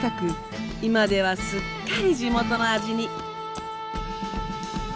今ではすっかり「地元の味」に。